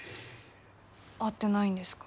会ってないんですか？